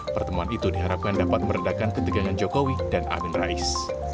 pertemuan itu diharapkan dapat meredakan ketegangan jokowi dan amin rais